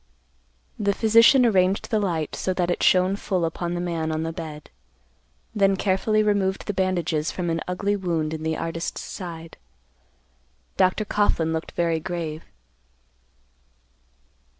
The physician arranged the light so that it shone full upon the man on the bed, then carefully removed the bandages from an ugly wound in the artist's side. Dr. Coughlan looked very grave.